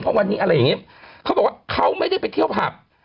เพราะวันนี้อะไรอย่างนี้เขาบอกว่าเขาไม่ได้ไปเที่ยวผับ